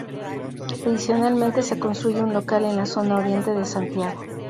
Adicionalmente se construye un local en la Zona Oriente de Santiago.